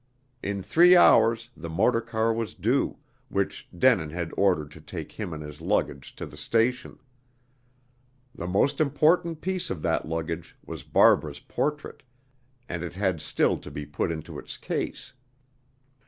In three hours the motor car was due, which Denin had ordered to take him and his luggage to the station. The most important piece of that luggage was Barbara's portrait, and it had still to be put into its case.